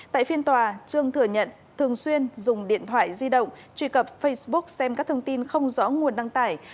tại phiên tòa trương thừa nhận thường xuyên dùng điện thoại di động truy cập facebook xem các thông tin không rõ nguồn đăng tải